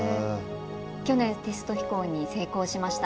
去年テスト飛行に成功しました。